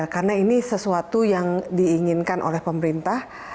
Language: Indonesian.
karena ini sesuatu yang diinginkan oleh pemerintah